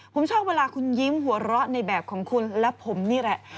ผมชอบเวลาคุณยิ้มหัวเราะในแบบของคุณและผมนี่แหละ